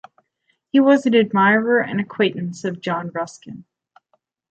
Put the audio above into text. He was an admirer and acquaintance of John Ruskin.